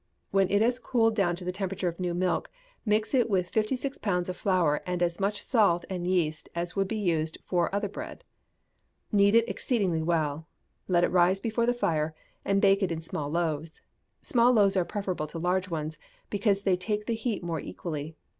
When it has cooled down to the temperature of new milk, mix it with fifty six pounds of flour and as much salt and yeast as would be used for other bread; knead it exceedingly well; let it rise before the fire, and bake it in small loaves: small loaves are preferable to large ones, because they take the heat more equally.